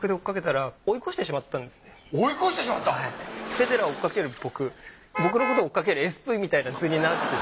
フェデラーを追っかける僕僕のことを追いかけるＳＰみたいな図になって。